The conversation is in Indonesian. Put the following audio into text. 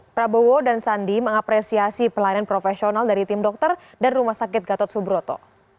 prabowo dan sandi mengapresiasi pelayanan profesional dari tim dokter dan rumah sakit gatot subroto